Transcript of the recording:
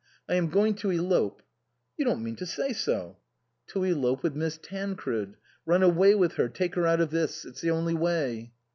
I am going to elope "" You don't mean to say so "" To elope with Miss Tancred run away with her take her out of this. It's the only way."